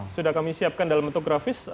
sudah kami siapkan dalam bentuk grafis